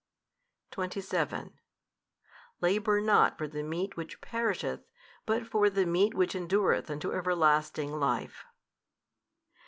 27 Labour not for the meat which perisheth, but for the meat which endureth unto everlasting life.